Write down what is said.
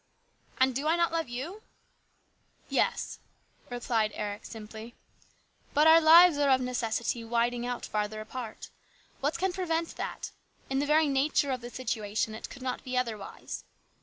" And do I not love you ?"" Yes," replied Eric simply. " But our lives are of necessity widening out farther apart. What can pre vent that ? In the very nature of the situation it could not be otherwise.